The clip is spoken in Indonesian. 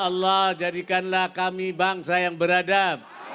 allah jadikanlah kami bangsa yang beradab